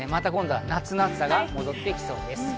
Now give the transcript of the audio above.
夏の暑さが戻ってきそうです。